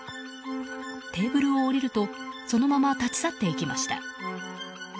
テーブルを降りるとそのまま立ち去っていきました。